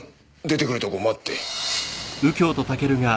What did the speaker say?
出てくるとこ待って。